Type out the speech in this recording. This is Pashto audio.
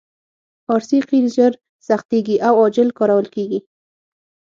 ار سي قیر ژر سختیږي او عاجل کارول کیږي